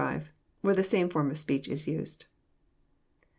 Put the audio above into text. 85, where the same form of speech is used.